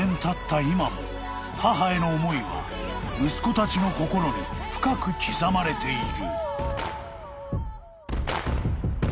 今も母への思いは息子たちの心に深く刻まれている］